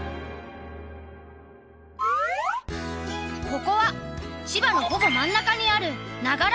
ここは千葉のほぼ真ん中にある長柄町。